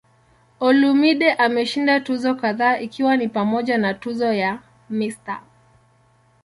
Olumide ameshinda tuzo kadhaa ikiwa ni pamoja na tuzo ya "Mr.